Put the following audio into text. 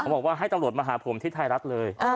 บอกว่าให้ตำรวจมาหาผมที่ไทยรัฐเลย